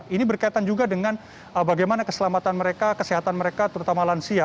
ini berkaitan juga dengan bagaimana keselamatan mereka kesehatan mereka terutama lansia